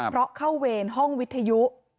เพราะเข้าเวรห้องวิทยุ